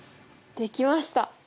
できました！